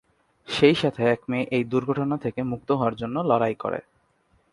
সেই সাথে এক মেয়ে এই দুর্ঘটনা থেকে মুক্ত হওয়ার জন্য লড়াই করে।